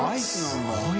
すごい！